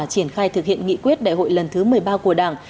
triển khai thực hiện nghị quyết đại hội lần thứ một mươi ba của đảng